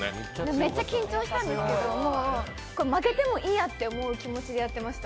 めっちゃ緊張したんですけど、負けてもいいやって思う気持ちでやってました。